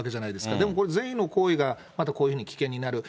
でもこれ、善意の行為がまたこういうふうに危険になる。